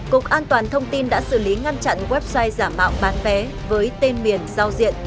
cục an toàn thông tin đã xử lý ngăn chặn website giả mạo bán vé với tên miền giao diện